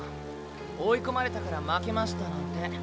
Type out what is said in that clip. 追い込まれたから負けましたなんて